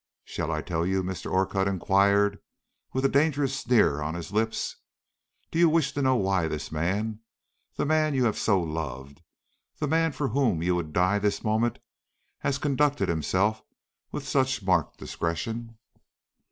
"Shall I tell you?" Mr. Orcutt inquired, with a dangerous sneer on his lips. "Do you wish to know why this man the man you have so loved the man for whom you would die this moment, has conducted himself with such marked discretion?"